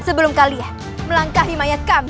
sebelum kalian melangkahi mayat kami